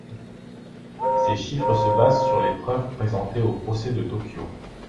Ces chiffres se basent sur les preuves présentées aux procès de Tokyo.